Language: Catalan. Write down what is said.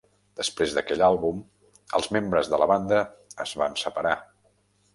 Després d'aquell àlbum, els membres de la banda es van separar.